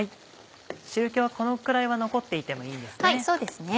汁気はこのくらいは残っていてもいいですね？